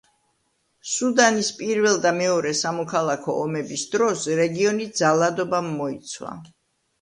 სუდანის პირველ და მეორე სამოქალაქო ომების დროს რეგიონი ძალადობამ მოიცვა.